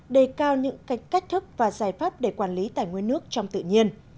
đề cao những cách thức và giải pháp để quản lý tài nguyên nước trong tự nhiên